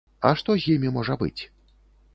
А што з імі можа быць?